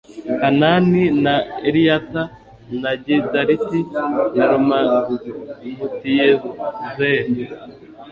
hanani na eliyata na gidaliti na romamutiyezeri